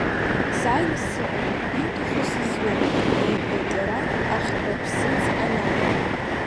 Сааины сыҟоуп, иуҭаху сызу, — иҳәеит иара ахьтәы ԥсыӡ анааи.